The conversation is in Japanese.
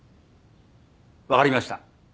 分かりました。